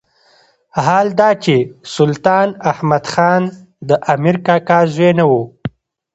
حال دا چې سلطان احمد خان د امیر کاکا زوی نه وو.